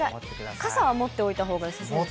じゃあ傘は持っておいたほうがよさそうですね。